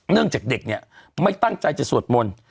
เนื่องจากเด็กเนี่ยไม่ตั้งใจจะสวดมนต์